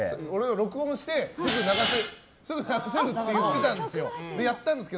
録音してすぐ流せる？って言ってみたんですよ。